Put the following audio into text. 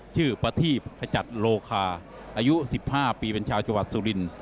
ชื่อประธิขจัดโลคาอายุ๑๕ปีเป็นชาวจัวรรดิสุริน